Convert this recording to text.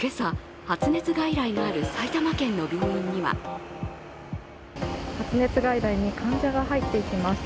今朝、発熱外来のある埼玉県の病院には発熱外来に患者が入っていきます。